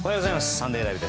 「サンデーＬＩＶＥ！！」